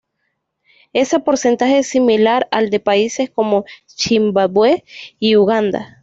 Ese porcentaje es similar al de países como Zimbabue y Uganda.